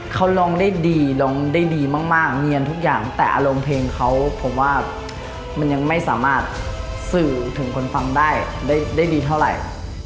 เขาร้องได้ดีร้องได้ดีมากเนียนทุกอย่างแต่อารมณ์เพลงเขาผมว่ามันยังไม่สามารถสื่อถึงคนฟังได้ได้ดีเท่าไหร่